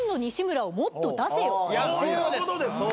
そういうことです。